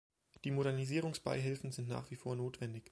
Die Modernisierungsbeihilfen sind nach wie vor notwendig.